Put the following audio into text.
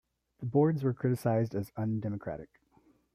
The Boards were criticized as undemocratic.